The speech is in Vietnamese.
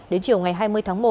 đến chiều ngày hai mươi tháng một